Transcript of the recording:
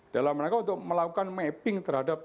dalam mereka untuk melakukan mapping terhadap